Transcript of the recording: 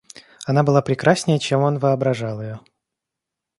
Она была прекраснее, чем он воображал ее.